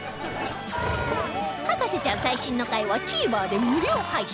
『博士ちゃん』最新の回は ＴＶｅｒ で無料配信